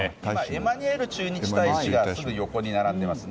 エマニュエル駐日大使がすぐ横に並んでいます。